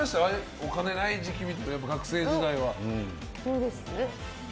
お金ない時期、学生時代は。